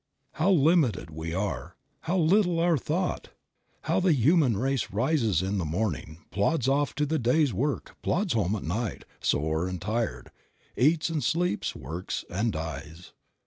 How limited we are, how little our thought! How the human race rises in the morning, plods off to the day's work, plods home at night, sore and tired, eats and sleeps, works and dies.